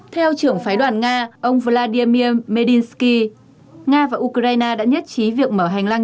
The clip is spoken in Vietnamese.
theo trưởng phái đoàn nga ông vladimir medinsky nga và ukraine đã nhất trí việc mở hành lang